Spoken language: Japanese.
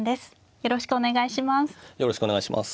よろしくお願いします。